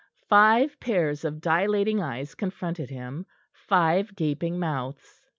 Five pairs of dilating eyes confronted him, five gaping mouths.